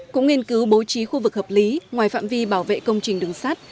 cũng nghiên cứu bố trí khu vực hợp lý ngoài phạm vi bảo vệ công trình đường sắt